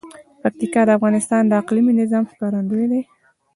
پکتیکا د افغانستان د اقلیمي نظام ښکارندوی ده.